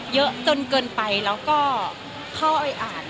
เยอะจนเกินไปแล้วก็เข้าไปอ่าน